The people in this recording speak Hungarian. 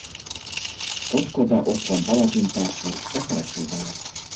Kotkoda otthon palacsintát süt de felsül vele.